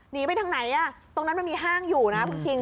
หนีไปทางไหนตรงนั้นมันมีห้างอยู่นะคุณคิง